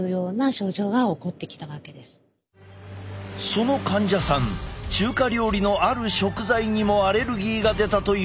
その患者さん中華料理のある食材にもアレルギーが出たというのだ。